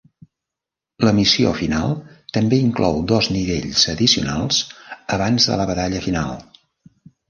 La Missió final també inclou dos nivells addicionals abans de la batalla final.